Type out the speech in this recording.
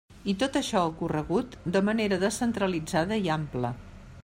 I tot això ha ocorregut de manera descentralitzada i ampla.